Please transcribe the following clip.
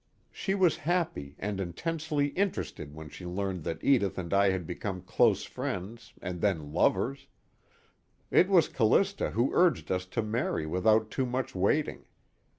She was happy and intensely interested when she learned that Edith and I had become close friends and then lovers; it was Callista who urged us to marry without too much waiting.